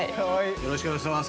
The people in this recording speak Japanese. よろしくお願いします。